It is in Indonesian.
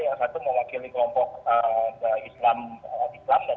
yang satu mewakili kelompok islam